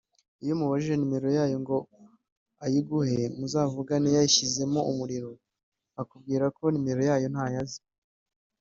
Iyo umubajije nimero yayo ngo ayiguhe muzavugane yashyizemo umuriro akubwira ko nimero zayo ntazo azi